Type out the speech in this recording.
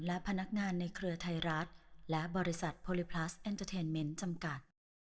และพนักงานในเครือไทยรัฐและบริษัทโพลิพลัสเอ็นเตอร์เทนเมนต์จำกัด